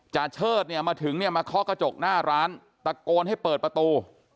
จาเชิดมาถึงมาเคาะกระจกหน้าร้านตะโกนให้เปิดประตู